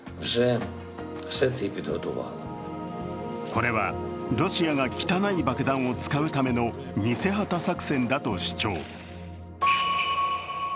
これはロシアが汚い爆弾を使うための偽旗作戦だと主張。